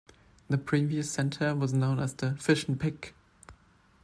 The previous center was known as the "Fish N Pic".